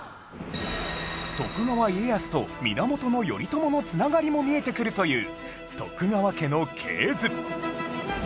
徳川家康と源頼朝の繋がりも見えてくるという徳川家の系図